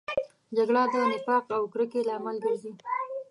جګړه د نفاق او کرکې لامل ګرځي